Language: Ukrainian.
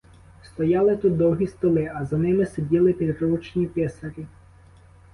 Стояли тут довгі столи, а за ними сиділи підручні писарі.